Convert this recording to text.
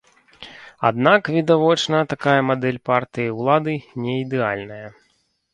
Аднак, відавочна, такая мадэль партыі ўлады не ідэальная.